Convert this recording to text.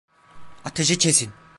Ateşi kesin!